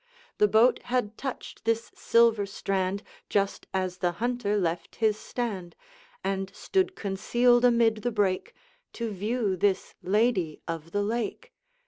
The boat had touched this silver strand Just as the Hunter left his stand, And stood concealed amid the brake, To view this Lady of the Lake.